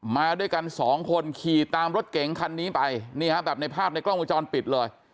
มาด้วยกันสองคนขี่ตามรถเก๋งคันนี้ไปนี่ฮะแบบในภาพในกล้องวงจรปิดเลย